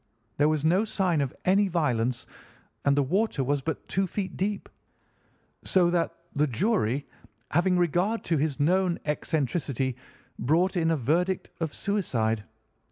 There was no sign of any violence, and the water was but two feet deep, so that the jury, having regard to his known eccentricity, brought in a verdict of 'suicide.